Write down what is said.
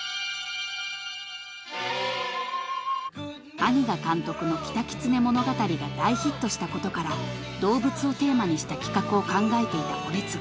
［兄が監督の『キタキツネ物語』が大ヒットしたことから動物をテーマにした企画を考えていた惟二］